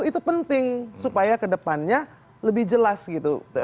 itu penting supaya kedepannya lebih jelas gitu